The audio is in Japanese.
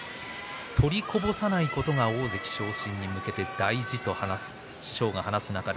取りこぼさないことが大関昇進に向けて大事だと話していました。